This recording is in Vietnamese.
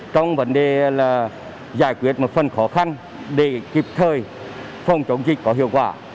trong vấn đề là giải quyết một phần khó khăn để kịp thời phòng chống dịch có hiệu quả